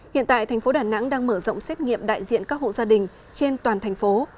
hiện tại thành phố đà nẵng đang mở rộng xét nghiệm đại diện các hộ gia đình trên toàn thành phố